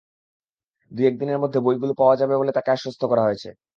দুই-এক দিনের মধ্যে বইগুলো পাওয়া যাবে বলে তাঁকে আশ্বস্ত করা হয়েছে।